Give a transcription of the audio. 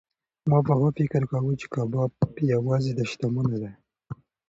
ما پخوا فکر کاوه چې کباب یوازې د شتمنو دی.